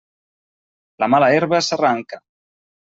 La mala herba s'arranca.